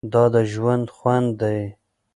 دا د ژوند خوند دی.